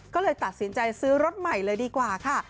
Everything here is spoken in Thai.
ก็เลยตัดสินใจซื้อรถใหม่เลยดีกว่าค่ะ